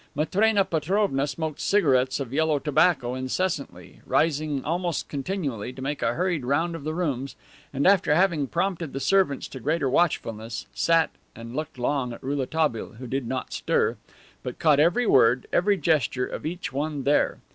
Matrena Petrovna smoked cigarettes of yellow tobacco incessantly, rising almost continually to make a hurried round of the rooms, and after having prompted the servants to greater watchfulness, sat and looked long at Rouletabille, who did not stir, but caught every word, every gesture of each one there.